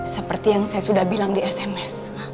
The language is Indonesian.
seperti yang saya sudah bilang di sms